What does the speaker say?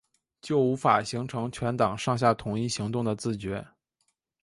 就无法形成全党上下统一行动的自觉